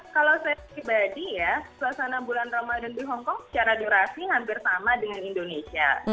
kalau saya pribadi ya suasana bulan ramadan di hongkong secara durasi hampir sama dengan indonesia